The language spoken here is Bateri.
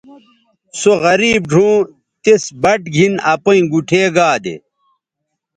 سو غریب ڙھؤں تِس بَٹ گِھن اپیئں گُوٹھے گا دے